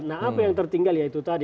nah apa yang tertinggal ya itu tadi